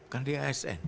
kan dia asn